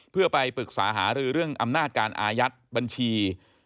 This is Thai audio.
เพื่อไปปรึกษาหารือเรื่องอำนาจการอายัดบัญชี